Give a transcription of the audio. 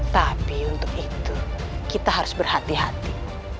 tapi untuk itu kita harus berhati hati